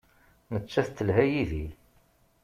Nettat telha yid-i.